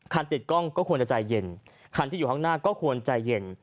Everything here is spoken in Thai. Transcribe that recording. ติดกล้องก็ควรจะใจเย็นคันที่อยู่ข้างหน้าก็ควรใจเย็น